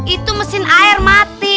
itu mesin air mati